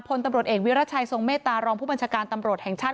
พลตำรวจเอกวิรัชัยทรงเมตตารองผู้บัญชาการตำรวจแห่งชาติ